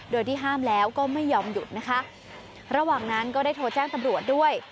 โดยที่ห้ามแล้วก็ไม่ยอมหยุดนะคะระหว่างนั้นก็ได้โทรแจ้งตำรวจด้วย